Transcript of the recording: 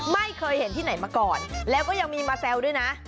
ไม่เคยเห็นที่ไหนมาก่อนแล้วก็ยังมีมาแซวด้วยนะ